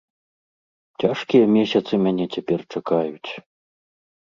Цяжкія месяцы мяне цяпер чакаюць.